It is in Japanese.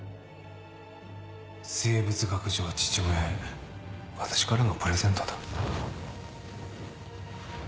生物学上の父親へ私からのプレゼントだ。